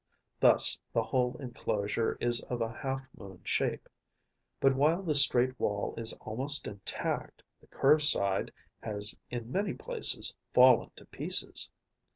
Thus the whole enclosure is of a half moon shape. But while the straight wall is almost intact, the curved side has in many places fallen to pieces.